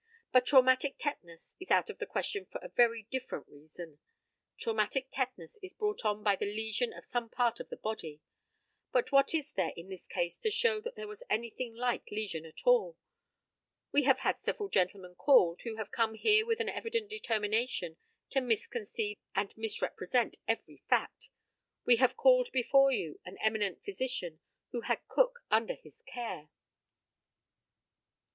But traumatic tetanus is out of the question for a very different reason. Traumatic tetanus is brought on by the lesion of some part of the body. But what is there in this case to show that there was anything like lesion at all. We have had several gentlemen called, who have come here with an evident determination to misconceive and misrepresent every fact. We have called before you an eminent physician, who had Cook under his care.